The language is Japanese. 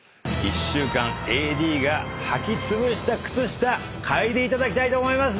１週間ＡＤがはきつぶした靴下嗅いでいただきたいと思います。